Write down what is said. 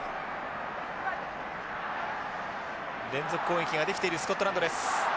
連続攻撃ができているスコットランドです。